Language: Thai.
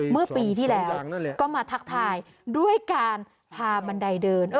เมื่อปีที่แล้วก็มาทักทายด้วยการพาบันไดเดิน